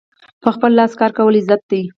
په خپل لاس کار کول عزت دی.